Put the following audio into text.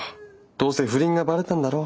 どうせ不倫がバレたんだろ。